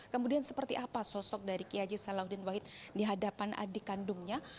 kemudian seperti apa sosok dari kiai haji salahuddin wahid di hadapan adik kandungnya